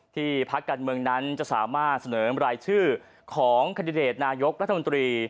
พักการเมืองนั้นจะสามารถเสนอรายชื่อของคันดิเดตนายกรัฐมนตรี